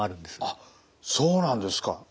あっそうなんですか！